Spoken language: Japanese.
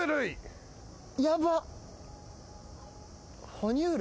哺乳類。